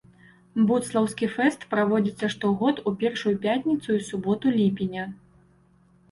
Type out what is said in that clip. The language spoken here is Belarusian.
Будслаўскі фэст праводзіцца штогод у першую пятніцу і суботу ліпеня.